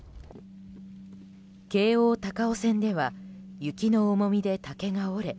京王高尾線では雪の重みで竹が折れ